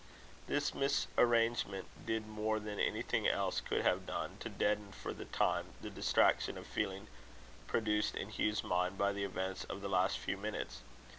This misarrangement did more than anything else could have done, to deaden for the time the distraction of feeling produced in Hugh's mind by the events of the last few minutes.